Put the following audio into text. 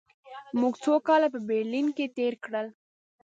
موږ څو کاله په برلین کې تېر کړل